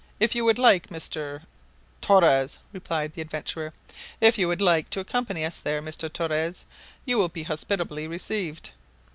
If you would like, Mr. " "Torres," replied the adventurer. "If you would like to accompany us there, Mr. Torres, you will be hospitably received."